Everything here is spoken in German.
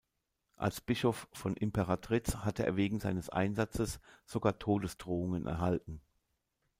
Als Bischof von Imperatriz hatte er wegen seines Einsatzes sogar Todesdrohungen erhalten.